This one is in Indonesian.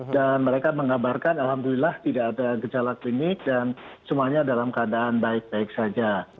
dan mereka mengabarkan alhamdulillah tidak ada gejala klinik dan semuanya dalam keadaan baik baik saja